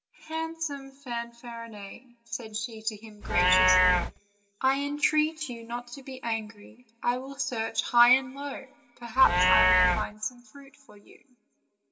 "Handsome Fanfarinet," said she to him graciously, "I entreat you not to be angry; I will search high and low; perhaps I may find some fruit for you."